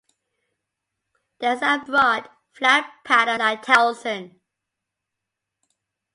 There is a broad, flat paddle-like telson.